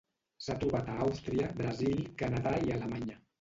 S'ha trobat a Àustria, Brasil, Canadà i Alemanya.